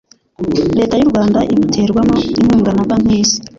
Leta y’u Rwanda ibuterwamo inkunga na Banki y’Isi